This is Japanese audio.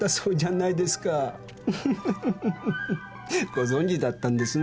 ご存じだったんですね。